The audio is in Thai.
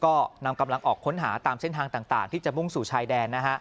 ก็นำกำลังออกค้นหาตามเส้นทางต่างที่จะมุ่งสู่ชายแดน